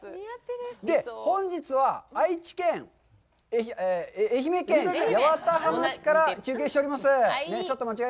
で、本日は愛媛県八幡浜市から中継しております。